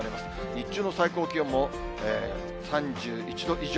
日中の最高気温も３１度以上。